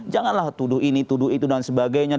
kita sudah mengulangkan ini itu dsb